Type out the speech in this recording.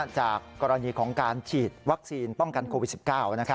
จากกรณีของการฉีดวัคซีนป้องกันโควิด๑๙